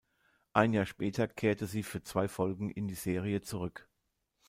Ein Jahr später kehrte sie für zwei Folgen in die Serie zurück.